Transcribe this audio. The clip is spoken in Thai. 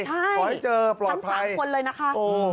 ทั้งสามคนเลยนะคะ